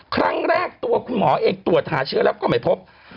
ครั้งแรกตัวคุณหมอเองตรวจหาเชื้อแล้วก็ไม่พบ